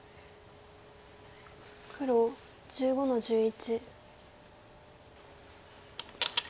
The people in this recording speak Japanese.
黒１５の十一。